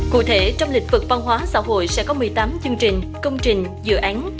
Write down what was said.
cụ thể trong lịch vực văn hóa xã hội sẽ có một mươi tám chương trình công trình dự án